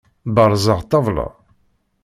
Berzeɣ ṭṭabla.